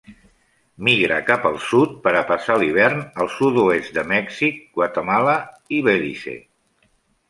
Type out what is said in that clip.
Migra cap al sud per ha passar l'hivern al sud-oest de Mèxic, Guatemala i Belize.